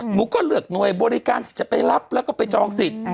หนูก็เลือกหน่วยบริการจะไปรับแล้วก็ไปจองสิทธิ์